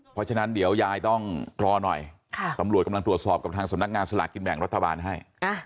เพราะฉะนั้นเดี๋ยวยายต้องรอหน่อยตำรวจกำลังตรวจสอบกับทางสำนักงานสลากกินแบ่งรัฐบาลให้